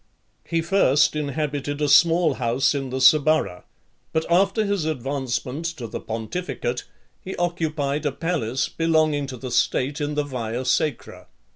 XLVI. He first inhabited a small house in the Suburra , but after his advancement to the pontificate, he occupied a palace belonging to the state in the Via Sacra.